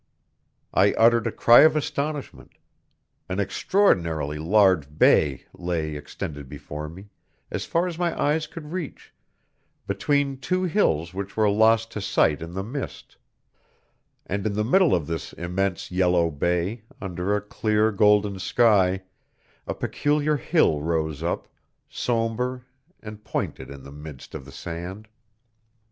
I uttered a cry of astonishment. An extraordinarily large bay lay extended before me, as far as my eyes could reach, between two hills which were lost to sight in the mist; and in the middle of this immense yellow bay, under a clear, golden sky, a peculiar hill rose up, somber and pointed in the midst of the sand.